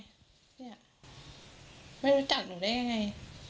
เนี่ยไม่รู้จักหนูได้ยังไง